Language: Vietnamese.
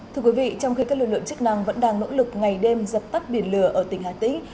thưa quý vị trong khi các lực lượng chức năng vẫn đang nỗ lực ngày đêm dập tắt biển lửa ở tỉnh hà tĩnh